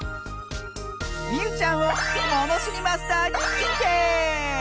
みうちゃんをものしりマスターににんてい！